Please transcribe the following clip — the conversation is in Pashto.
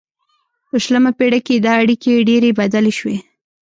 په شلمه پیړۍ کې دا اړیکې ډیرې بدلې شوې